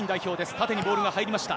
縦にボールが入りました。